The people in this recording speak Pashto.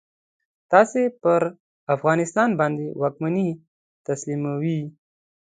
تاسې پر افغانستان باندي واکمني تسلیموي.